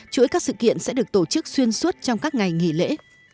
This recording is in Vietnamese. chuỗi các sự kiện sẽ được tổ chức xuyên suốt trong các ngày nghỉ lễ